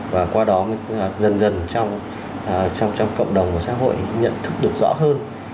và qua đó dần dần trong cộng đồng và xã hội nhận thức được rõ hơn